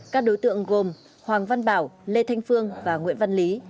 các đối tượng gồm hoàng văn bảo lê thanh phương và nguyễn văn lý